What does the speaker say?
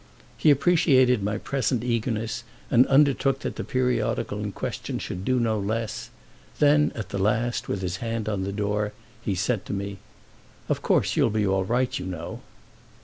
He appreciated my present eagerness and undertook that the periodical in question should do no less; then at the last, with his hand on the door, he said to me: "Of course you'll be all right, you know."